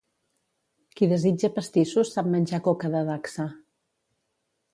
Qui desitja pastissos sap menjar coca de dacsa.